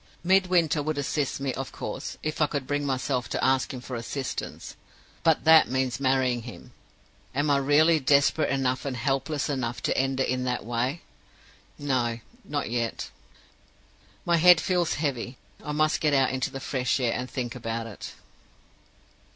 "Midwinter would assist me, of course, if I could bring myself to ask him for assistance. But that means marrying him. Am I really desperate enough and helpless enough to end it in that way? No; not yet. "My head feels heavy; I must get out into the fresh air, and think about it."